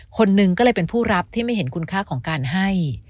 คนหนึ่งก็เลยเป็นผู้รับที่ไม่เห็นคุณค่าของการให้